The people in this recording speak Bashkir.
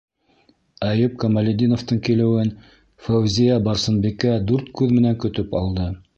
Әйүп Камалетдиновтың килеүен Фәүзиә-Барсынбикә дүрт күҙ менән көтөп алды.